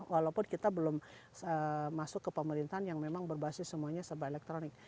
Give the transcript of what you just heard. walaupun kita belum masuk ke pemerintahan yang memang berbasis semuanya serba elektronik